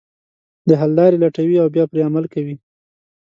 د حل لارې لټوي او بیا پرې عمل کوي.